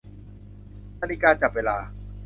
นาฬิกาจับเวลา